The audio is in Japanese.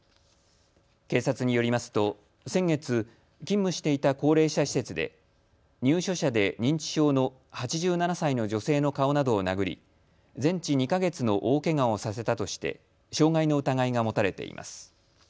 警察によりますと先月、勤務していた高齢者施設で入所者で認知症の８７歳の女性の顔などを殴り全治２か月の大けがをさせたとして傷害の疑いが持たれています。